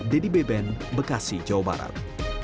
dedy beben bekasi jawa barat